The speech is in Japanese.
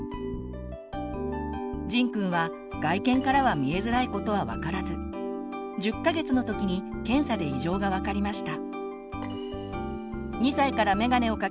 じんくんは外見からは見えづらいことはわからず１０か月のときに検査で異常がわかりました。